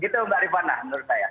itu mbak rifana menurut saya